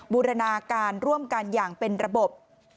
บูรณาการร่วมกันอย่างเป็นระบบ